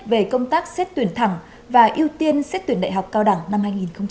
về công tác xét tuyển thẳng và ưu tiên xét tuyển đại học cao đẳng năm hai nghìn hai mươi